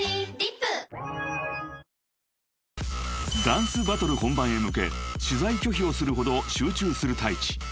［ダンスバトル本番へ向け取材拒否をするほど集中するＴａｉｃｈｉ］